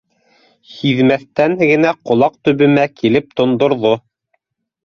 — Һиҙмәҫтән генә ҡолаҡ төбөмә килеп тондорҙо.